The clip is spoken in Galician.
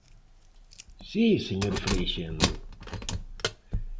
¿Si, señor Freixendo?